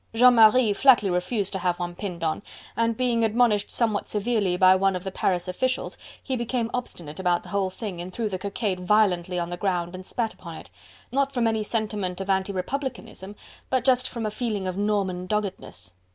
Jean Marie flatly refused to have one pinned on, and being admonished somewhat severely by one of the Paris officials, he became obstinate about the whole thing and threw the cockade violently on the ground and spat upon it, not from any sentiment of anti republicanism, but just from a feeling of Norman doggedness.